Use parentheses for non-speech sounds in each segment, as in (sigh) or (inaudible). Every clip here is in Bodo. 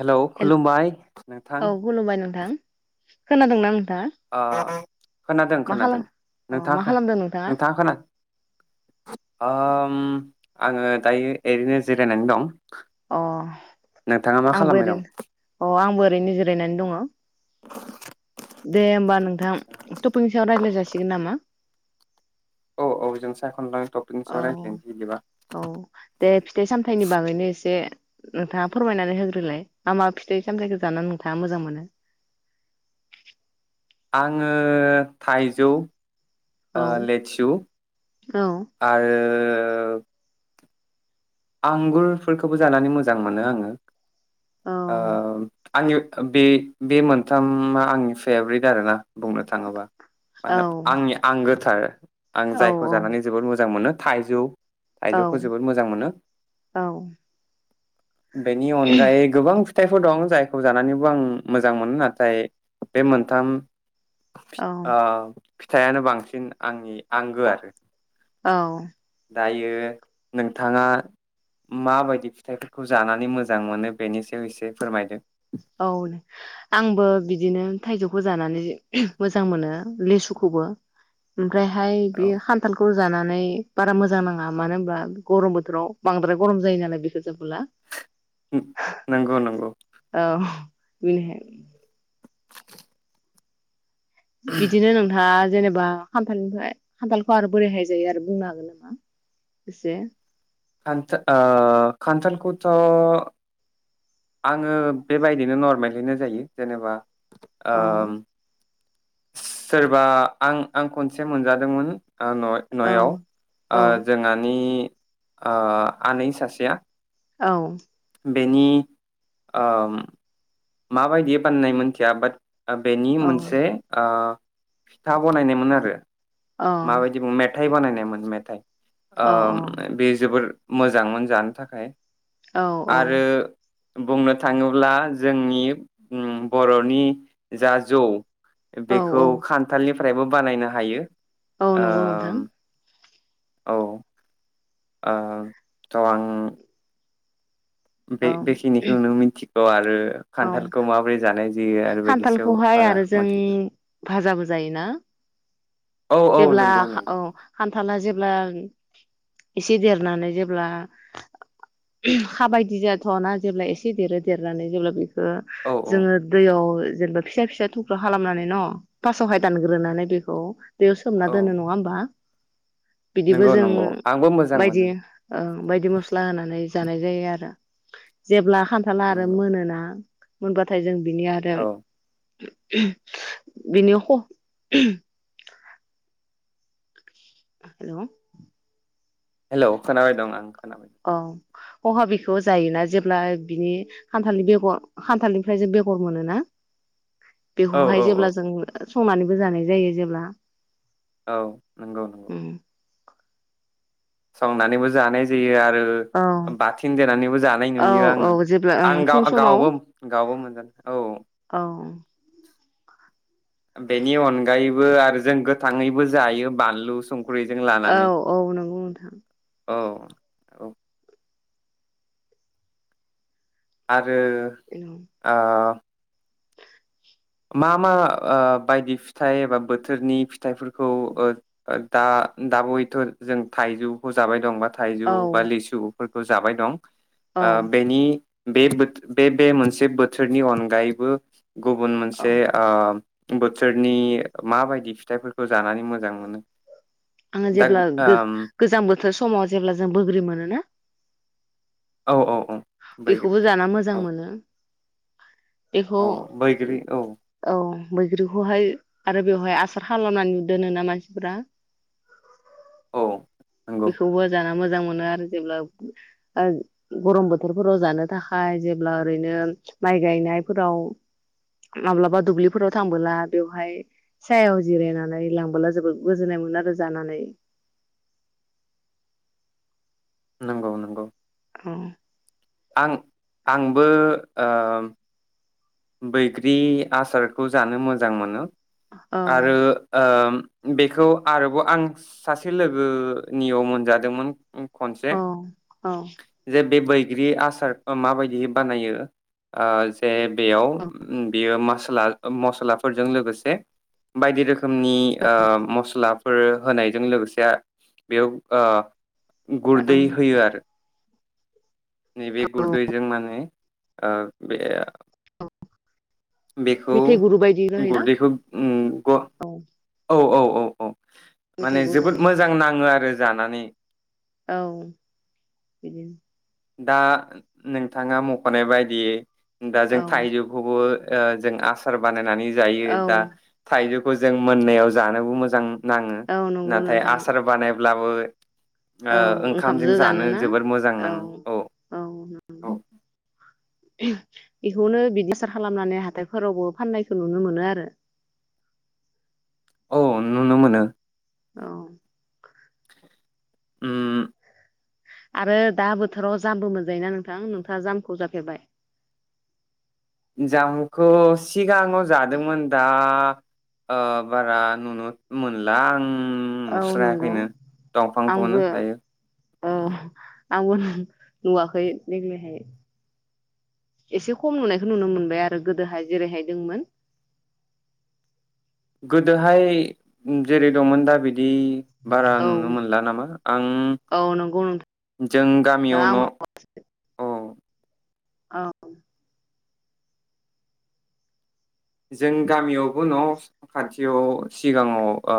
हेल' खुलुमबाय औ नोंथां। खुलुमबाय नोंथां खोनादोंना नों खोनादों खोनादों खालाम अ मा नोंथाङा खालामदों नोंथाङा खोनादों अ आङो दायो ओरैनो जिरायनानै दं। अ नोंथाङा मा आंबो खालामबाय ओरै दं अ आंबो ओरैनोजिरायनानै दङ। दे होमबा नों नोंथां टपिगनि सायाव रायलाय जासिगोन नामा? औ औ जों सायाखना ला औ औ दे फिथाइ सामथायाइनि बागैनो एसे नोंथाङा फोरमायनानै होग्रोलाय मा मा फिथाइ सामथायाइखौ जानानै नोंथाङा मोजां मोनो? आङो थाइजौ औ ओ लेसु औ आरो ओ आंगुरफोरखौबो जानानै मोजां मोनो आङो। औ ओ आंनि बे बे मोनथामा आंनि फेभरेट आरो ना। बुंनो थाङोबा औ मानोना आंनि आंगोथ- थार आं औ जायखौ जानानै जोबोर मोजां मोनो। थाइजौ औ थाइजौखौ जोबोर मोजां मोनो। औ बेनि अनगायै गोबां थाइफोर दं जायखौ जानानैबो आं मोजां मोनो नाथाय बे मोनथाम फि औ आ फिथाइयानो बांसिन आंनि आंगो आरो। औ दायो नोंथाङा माबायदि फिथाइफोरखौ जानानै मोजां मोनो बेनि सायाव एसे फोरमायदो। औ आंबो बिदिनो थाइजौखौ जानानै मोजां मोनो लेसुखौबो उम। फ्रायहाय औ बेयो खान्थालखौ जाना नै बारा मोजां नाङा मानो होमबा गरम बोथोराव बांद्राय गरम जायो नालाय बिखो नो नोंगौ नोंगौ। अ (unintelligible) बिदिनो नोंथाङा जेनेबा खान्थालनिफ्राय खान्थालखौ आरो बोरैहाय जायो आरो बुंनो हागोन नामा एसे? खान्था ओ खान्थालखौथ' आङो बेबायदिनो नरमेलैनो जायो जेनेबा औ ओम सोरबा आं आं खनसे मोनजादोंमोन ओ न'य औ न'याव आ औ जोंङानि ओ आनै सासेया औ बेनि ओम माबायदियै बानायनाय मोनथिया बाट आ बेनि औ मोनसे आ फिथा बनायनायमोन आरो। अ माबायदि मेद थाइ बानायनायमोन मेथाइ। अ ओम बे जोबोर मोजांमोन जानो थाखाय औ आरो बुंनो थाङोब्ला जोंनि उम बर'नि जा जौ औ बेखौ औ खानथालनि फ्रायबो बानायनो हायो। औ नंगौ नोंथां। औ। ओ स' आं औ बे बेखिनिखौनो नों मिनथिगौ आरो। ओ खानथालखौ माबोरै जानाय जायो आरो बेनि सायाव खानथालखौहाय बारा आरो जों मिथिगौ भाजाबो जायोना, औ औ जेब्ला नंगौ नंगौ औ खानथाला जे (unintelligible) एसे देरनानै जेब्ला (unintelligible) खाबायदि जाथ'वा ना जेब्ला एसे देरो देरनानै जेब्ला बेखौ ओ औ औ जोङो दैयाव जेनबा फिसा फिसा थुख्रा खालामनानै न' फासावहाय दानग्रोनानै बेखौ दैयाव सोमना औ दोनो नङा होमबा? बिदिबो नंगौ जों नंगौ आंबो मोजां बायदि मोनो ओ बायदि मस्ला होनानै जानाय जायो आरो जेब्ला खानथाला आरो नंगौ मोनोना। मोनबाथाय जों बिनि आरो औ (unintelligible) बिनि ख' (unintelligible) हेलौ हेलौ खोनाबाय दं आं। खोनाबाय अ (unintelligible) बेखौ जायोना जेब्ला बिनि खानथालनि बेगर खानथालनिफ्राय जों बेगर मोनोना? औ बेखौहाय औ औ जेब्ला जों ओ संनानैबो जानाय जायो जेब्ला औ नंगौ नंगौ। उम संनानैबो जानाय जायो आरो। औ आरो बाथोन देनानैबो जानाय औ नुयो औ जेब्ला ओं आङो फुं आं समाव गावबो गावबो मोनजानो औ। औ बेनि अनगायैबो आरो जों गो गोथाङैबो जायो बानलु सं औ औ नंगौ नोंथां। औ औ आरो आरो ओ मा मा ओ बायदि फिथाइ एबा बोथोरनि फिथाइफोरखौ दा दा बयथ' जों थाइजौखौ जाबाय दं बा थाइजौ औ बा लिसु फोरखौ जाबाय दं औ आ बेनि बे बे मोनसे बोथोरनि अनगायैबो गुबुन मोनसे औ बे ओम बोथोरनि माबायदि फिथाइफोरखौ जानानै मोजां मोनो। आङो दा जेब्ला ओम गोज-गोजां बो थोर समाव जेब्ला जों बोग्रि मोनोना औ औ औ बैग्रि बेखौबो जाना मोजां औ मोनो। बेखौ औ बैग्रि औ औ बैग्रिखौहाय आरो बेवहाय आसार खालामनानै दोनो ना मानसिफोरा औ नंगौ बेखौबो जाना मोजां मोन मोनो आरो जेब्ला गरम बोथोरफोराव जानो थाखाय जेब्ला ओरैनो माइ गायनायफोराव माब्लाबा दुब्लिफोराव थांबोला बेवहाय सायाव जिरायनानै लांबोला जोबोद गोजोननाय मोनो आरो जानानै। नंगौ नंगौ औ आं आंबो ओम बैग्रि आसारखौ जानो मोजां मोनो आरो ओम बेखौ आरोबाव आं सासे लोगोनियाव मोनजादोंमोन। खनसे औ औ जे बे बैग्रि आसार मा बायदि बानायो जे बेयाव औ बियो मो मसलाफोरजों लोगोसे बायदि रोखोमनि रोखोमनि मस्ला फोर होनायजों लोगोसे बेयाव ओ गुरदै ओं होयो आरो नैबे गुदुयजों माने बे बेखौ मेथाइ गुरु बायदि होयोना गुरदैखौ ग औ औ औ अ अ मेथाइ माने गुरु जोबोद होयो मोजां नाङो आरो जानानै औ बिदिनो दा नोंथाङा मख'नाय बायदियै दा जों औ थाइजौखौबो जों आसार बानाय बानायनानै जायो औ दा थाइजौ खौ जों मोननायाव जानोबो मोजां नाङो औ नंगौ नाथाय नोंथां आसार बानायब्लाबो ओ औ ओंखामजों ओंखामजो जानो जानोना जबोर मोजां औ नाङो नंगौ बेखौनो बिदि आसार खालामनानै हाथायफोरावबो फाननायखौ नुनो मोनो आरो औ नुनो मोनो औ ओम आरो दा बोथोराव जामबो मोनजायोना नोंथां नोंथाङा जामखौ जाफेरबाय? जामखौ सिगाङाव जादोंमोन दा ओ बारा नुनो मोनला आं। औ नंगौ नुस्रायाखैनो दंफांखौनो आंबो दायो औ आंबो नुवाखै देग्लायहाय एसे खम नुनायखौ नुनो मोनबाय आरो गोदोहाय जेरैहाय दंमोन गोदोहाय जेरै दंमोन दा बिदि बिदि बारा औ नुनो मोनला नामा आं औ नंगौ नोंथां जों गामियाव न' आंबो औ औ जों गामियावबो न' खाथियाव सिगाङाव ओ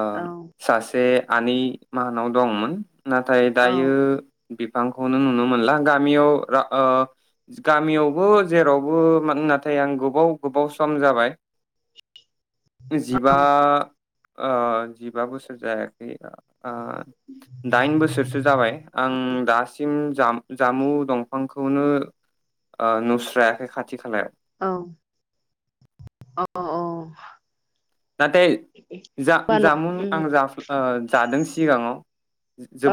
ओ औ सासे आनै माहानाव दंमोन नाथाय औ दायो बिफांखौनो नुनो मोनला गामियाव ओ गामियावबो जेरावबो नाथाय आं गु गोबाव गोबाव सम जाबाय जिबा ओ जिबा बोसोर जायाखै ओ दाइन बोसोरसो जाबाय आं दासिम जाम जामु दंफांखौनो ओ नुस्रायाखै खाथि खालायाव अह (unintelligible) नाथाय जा जामु आं जा ओ जादों सिगाङाव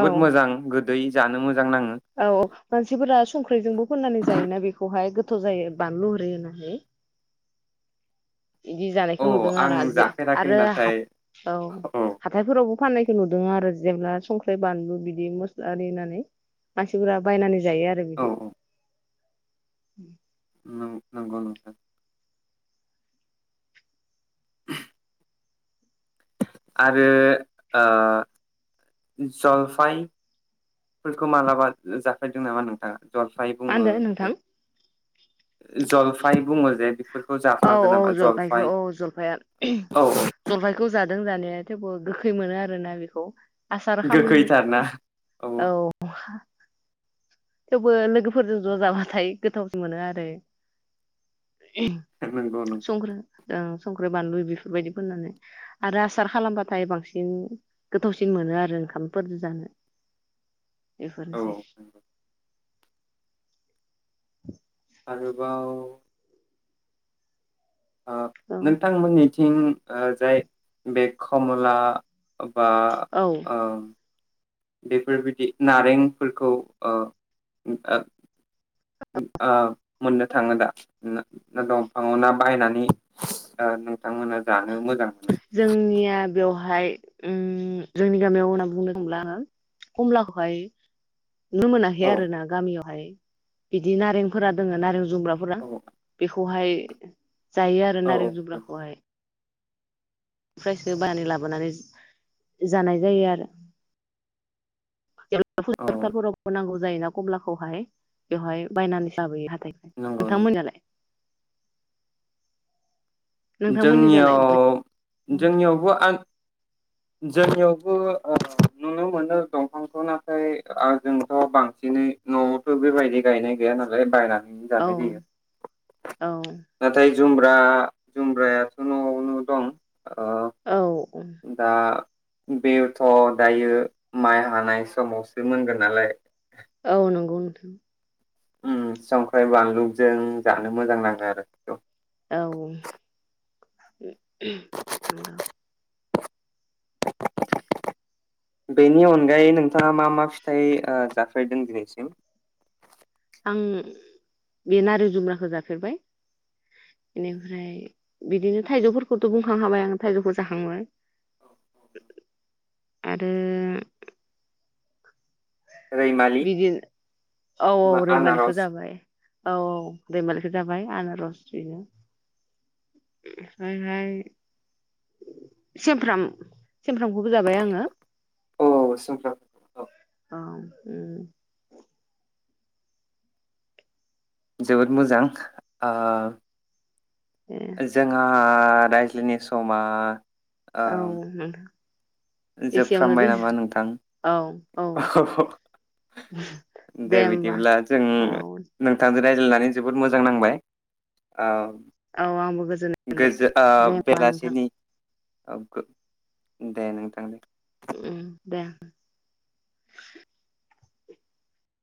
औ मोजां गोद दै जानो मोजां नाङो औ मानसिफोरा संख्रिजोंबो फोननानै जायोना बेखौहाय थाव जायो बानलु हिरि होनानै इदि जानायखौ नुदों औ आं आरो जे जाफेराखै आरो नाथाय हाथ औ हाथायफोरावबो फाननाय नुदों आरो जेब्ला संख्रि बानलु बिदि मस्ला आरि होनानै मानसिफोरा बायनानै जायो आरो बिदि (inaudible) नों नोंगौ नोंथां। आरो आ जलफायफोरखौ मालाबा जाफेरदों नामा नोंथाङा? जलफाय मा बुङो होनदों नोंथां जल फाय बुङो जे (unintelligible) औ जाफ्लांदों औ नामा जलफाय जलफाइखौ औ जलफाइया औ जलफाइखौ जा दों जानाया थेवबो गोखै मोनो आरोना बेखौ। आसार खालाम गोखैथारना खा औ थेवबो लोगोफोरजों ज' जाबाथाय गोथावसिन मोनो आरो। (unintelligible) नंगौ नंगौ संग्रा ओं। संख्रि बानलु बैफोरबायदि फोननानै आरो आसार खालामबाथाय बांसिन गोथावसिन मोनो आरो ओंखामफोरदो जानो। औ बेफोरनोसै। (inaudible) आरोबाव ओ औ नोंथांमोननि थिं ओ जाय बे खमला बा औ ओम बेफोरबायदि नारेंफोरखौ ओ उम ओ उम आ मोननो थाङो दा ना दंफाङाव ना बायनानै ओ नोंथांमोना जानो मोजां मोनो जोंनिया बेवहाय उम जोंनि गामियाव होनना बुंनो थांब्ला आङो कमलाखौहाय नुनो औ मोनाखै आरो ना गामियाव। फाय बिदि नारेंफोरा दोङो नारें जु जुमब्राफोरा औ बेख खौहाय जायो आरो औ नारें औ जुमब्राखौहाय। फ्रायसो बायनानै लाबोनानै जानाय जायो आरो औ (inaudible) नांगौ जायो ना कमलाखौहाय बेवहाय बायनानै लाबोयो हा नंगौ नोंथां नंगौ मोनियालाय? नोंथांमोननि जालाय बोरै जोंनियाव जोंनियावबो आन जोंनियावबो ओ नुनो मोनो दंफांखौ नाथाय आ जोंथ' बांसिनै न'आवथ' बेबायदि गायनाय गैया नालाय बायना औ जानाय जायो औ नाथाय जुमब्रा जुमब्रायाथ' न'आवनो दं ओ औ दा बेथ' दायो माइ हानाय समावसो मोनगोन नालाय औ नंगौ नोंथां उम संख्रै बानलुजों जानो मोजां नाङो आरो बेखौ औ नंगौ (inaudible) बेनि अनगायै नोंथाङा मा मा फिथाइ ओ जाफेरदों दिनैसिम? आं बे नारें जुमब्राखौ जाफेरबाय एनिफ्राय बिदिनो थायजौफोरखौथ' बुंखां खाबाय आं थायजौखौ जाखांबाय (unintelligible) आरो रैमालि बिदि औ औ बा रैमालिखौ आनारस जाबाय औ औ रैमालिखौ जाबाय आना रस बिनो ओमफ्रायहाय सेमफ्राम सेमफ्रामखौबो जाबाय आङो औ औ सुमफ्रां औ आं उम जोबोद मोजां आ ए जोंहा आ रायज्लायनाय समा ओ औ नोंथां एसेयावनो जोबफ्रामबाय दोन नामा नोंथां औ औ (unintelligible) दे बिदिब्ला जों औ नोंथां रायज्लायनानै जोबोद मोजां नांबाय औ औ आंबो गोजोननाय मोनबाय दे होमबा नोंथां बेलासिनि औ गो दे नोंथां दे उम दे